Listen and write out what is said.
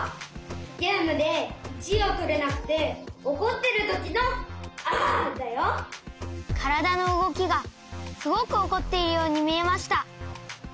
ゲームで１いをとれなくておこってるときの「あ！」だよ。からだのうごきがすごくおこっているようにみえました。